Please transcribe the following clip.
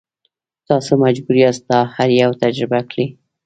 تاسو مجبور یاست دا هر یو تجربه کړئ.